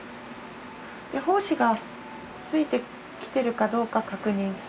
胞子がついてきてるかどうか確認する？